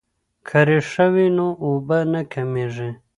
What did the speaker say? که ریښه وي نو اوبه نه کمیږي.